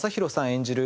演じる